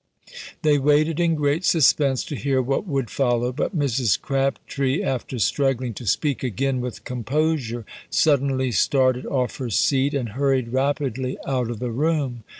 They waited in great suspense to hear what would follow, but Mrs. Crabtree, after struggling to speak again with composure, suddenly started off her seat, and hurried rapidly out of the room.